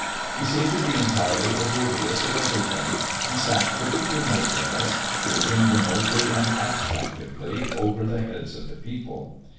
He seemed to be entirely oblivious of everything, and sat perfectly motionless, gazing remotely and abstractedly over the heads of the people.